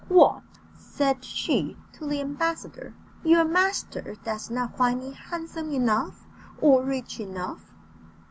"What," said she to the ambassador, "your master does not find me handsome enough, or rich enough?"